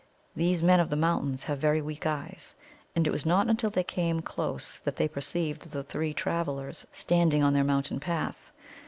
These Men of the Mountains have very weak eyes; and it was not until they were come close that they perceived the three travellers standing on their mountain path.